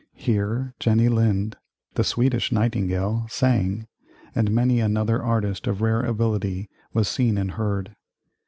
Here Jenny Lind, "the Swedish Nightingale," sang, and many another artist of rare ability was seen and heard.